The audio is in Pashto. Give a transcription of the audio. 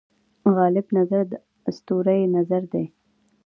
غالب نظر اسطوره یي نظر دی.